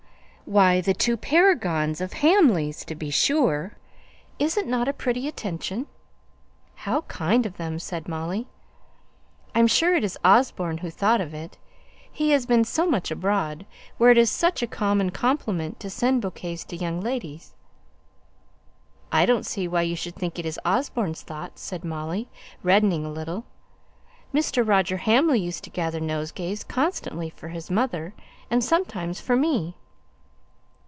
Why, the two paragons of Hamleys, to be sure. Is it not a pretty attention?" "How kind of them!" said Molly. "I'm sure it is Osborne who thought of it. He has been so much abroad, where it is such a common compliment to send bouquets to young ladies." "I don't see why you should think it is Osborne's thought!" said Molly, reddening a little. "Mr. Roger Hamley used to gather nosegays constantly for his mother, and sometimes for me."